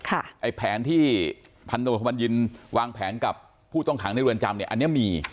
ไอ้แผนที่พันธบทบัญญินวางแผนกับผู้ต้องขังในเรือนจำเนี่ยอันนี้มี